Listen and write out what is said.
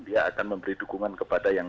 dia akan memberi dukungan kepada yang